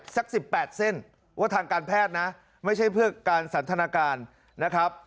สัก๑๘เส้นว่าทางการแพทย์นะไม่ใช่เพื่อการสันทนาการนะครับ